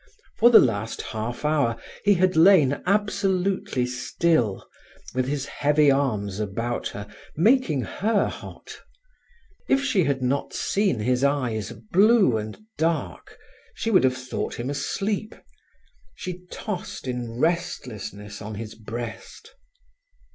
For the last half hour he had lain absolutely still, with his heavy arms about her, making her hot. If she had not seen his eyes blue and dark, she would have thought him asleep. She tossed in restlessness on his breast.